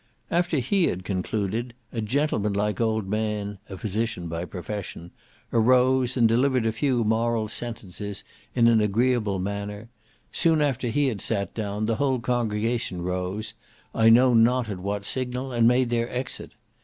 After he had concluded, a gentleman like old man (a physician by profession) arose, and delivered a few moral sentences in an agreeable manner; soon after he had sat down, the whole congregation rose, I know not at what signal, and made their exit.